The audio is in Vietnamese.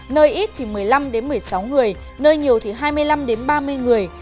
nơi ít thì một mươi năm một mươi sáu người nơi nhiều thì hai mươi năm đến ba mươi người